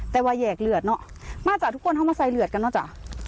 แต่ว่าแยกเลือดเนอะมาจากทุกคนเขามาใส่เลือดกันเนอะจ้ะ